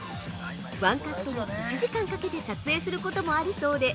１カットに１時間かけて撮影することもあるそうで。